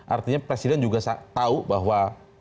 artinya presiden juga tahu bahwa